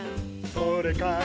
「それから」